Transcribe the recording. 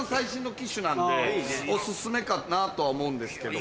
オススメかなとは思うんですけど。